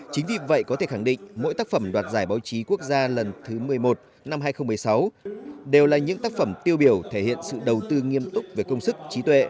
chính vì vậy có thể khẳng định mỗi tác phẩm đoạt giải báo chí quốc gia lần thứ một mươi một năm hai nghìn một mươi sáu đều là những tác phẩm tiêu biểu thể hiện sự đầu tư nghiêm túc về công sức trí tuệ